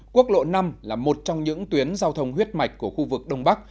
quốc lộ năm là một trong những tuyến giao thông huyết mạch của khu vực đông bắc